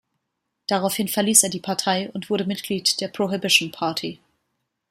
Daraufhin verließ er die Partei und wurde Mitglied der Prohibition Party.